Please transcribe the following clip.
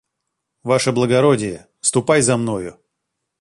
Ваше благородие, ступай за мною.